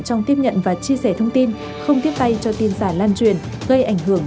cho người tham gia giao thông